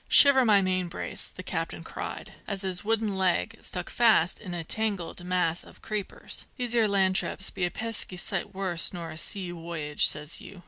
"Shiver my main brace!" the captain cried, as his wooden leg stuck fast in a tangled mass of creepers. "These 'ere land trips be a pesky sight worse nor a sea woyage, says you!